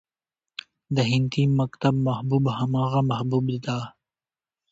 د هندي مکتب محبوب همغه محبوبه ده